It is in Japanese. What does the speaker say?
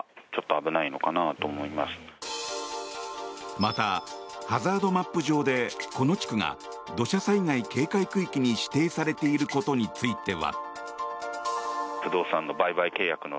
また、ハザードマップ上でこの地区が土砂災害警戒区域に指定されていることについては。